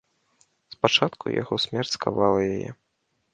Спачатку яго смерць скавала яе.